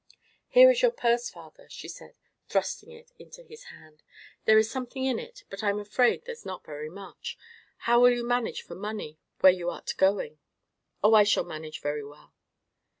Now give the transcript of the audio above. "Here is your purse, father," she said, thrusting it into his hand; "there is something in it, but I'm afraid there's not very much. How will you manage for money where you are going?" "Oh, I shall manage very well."